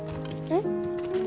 えっ？